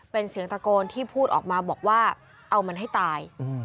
เป็นเสียงตะโกนที่พูดออกมาบอกว่าเอามันให้ตาย